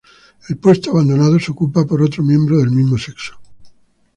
El puesto abandonado se ocupa por otro miembro del mismo sexo.